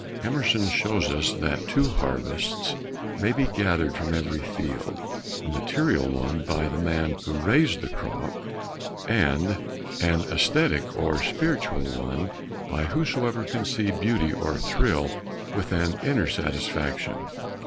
Emerson shows us that two harvests may be gathered from every field a material one by the man who raised the crop, and an esthetic or spiritual one by whosoever can see beauty or thrill with an inner satisfaction.